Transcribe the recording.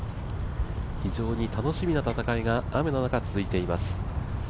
非常に楽しみな戦いが雨の中続いています。